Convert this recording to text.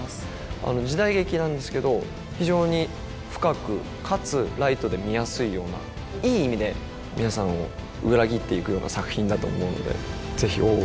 あの時代劇なんですけど非常に深くかつライトで見やすいようないい意味で皆さんを裏切っていくような作品だと思うのでぜひ「大奥」